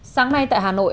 sáng nay tại hà nội